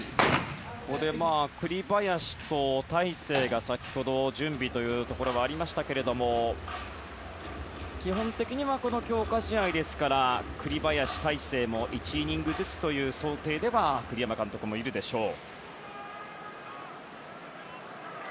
栗林と大勢が先ほど、準備というところがありましたけど基本的には強化試合ですから栗林、大勢も１イニングずつという想定で栗山監督もいるでしょう。